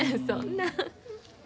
そんな。